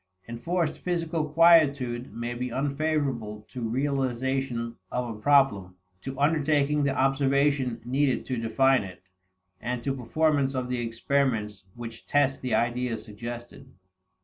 Enforced physical quietude may be unfavorable to realization of a problem, to undertaking the observations needed to define it, and to performance of the experiments which test the ideas suggested.